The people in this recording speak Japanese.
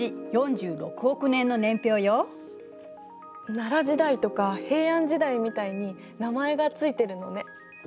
奈良時代とか平安時代みたいに名前が付いてるのね。